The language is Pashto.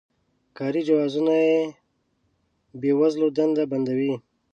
کاري جوازونه پر بې وزلو دندې بندوي.